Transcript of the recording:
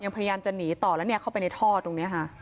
พยายามจะหนีต่อแล้วเข้าไปในท่อตรงนี้ค่ะ